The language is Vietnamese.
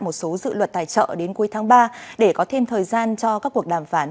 một số dự luật tài trợ đến cuối tháng ba để có thêm thời gian cho các cuộc đàm phán